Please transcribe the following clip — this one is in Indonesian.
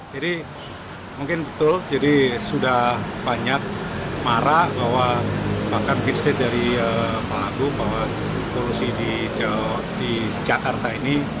jadi mungkin betul jadi sudah banyak marah bahwa bahkan visit dari pak agung bahwa polusi di jakarta ini